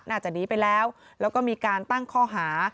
น่าจะดีไปแล้วแล้วก็มีการตั้งค้าหา